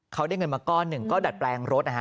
เขาได้เงินมาก้อนหนึ่งก็ดัดแปลงรถนะฮะ